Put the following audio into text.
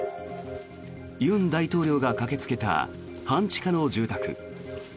尹大統領が駆けつけた半地下の住宅。